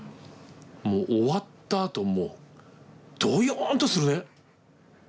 もう終わったあともうどよんとするね。